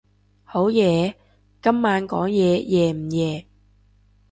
好夜？今晚講嘢夜唔夜？